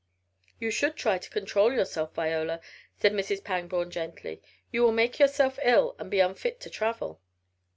"You should try to control yourself, Viola," said Mrs. Pangborn gently. "You will make yourself ill, and be unfit for travel."